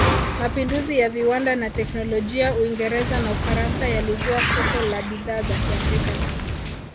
Mapinduzi ya Viwanda na Teknolojia Uingereza na Ufaransa yalizua soko la bidhaa za Kiafrika